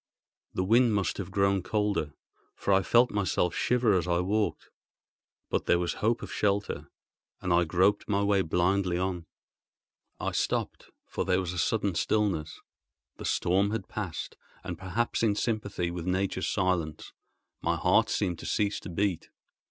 The wind must have grown colder, for I felt myself shiver as I walked; but there was hope of shelter, and I groped my way blindly on. I stopped, for there was a sudden stillness. The storm had passed; and, perhaps in sympathy with nature's silence, my heart seemed to cease to beat.